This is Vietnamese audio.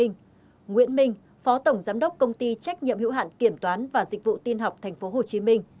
nguyễn minh phó tổng giám đốc công ty trách nhiệm hữu hạn kiểm toán và dịch vụ tin học tp hcm